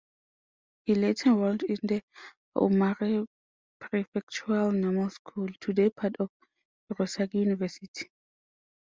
He later enrolled in the Aomori Prefectural Normal School (today part of Hirosaki University).